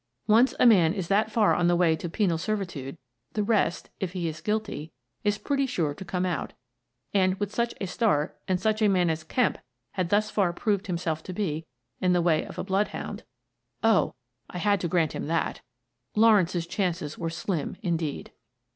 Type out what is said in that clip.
Once a man is that far on the way to penal servitude, the rest, if he is guilty, is pretty sure to come out and, with such a start and such a man as Kemp had thus far proved himself to be in the way of a bloodhound — oh, I had to grant him that! — Lawrence's chances were slim indeed.